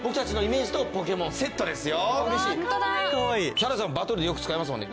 ヒャダさんバトルでよく使いますもんね。